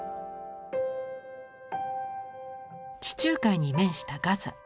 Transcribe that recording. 地中海に面したガザ。